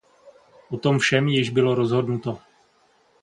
O tom všem již bylo rozhodnuto.